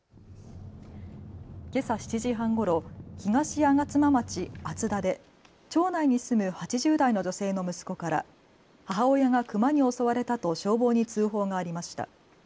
けさ７時半ごろ東吾妻町厚田で町内に住む８０代の女性の息子から母親がクマに襲われたと消防に通報がありました。